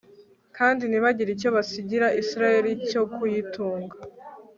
kandi ntibagire icyo basigira israheli cyo kuyitunga